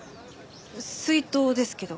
水筒ですけど。